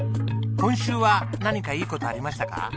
今週は何かいい事ありましたか？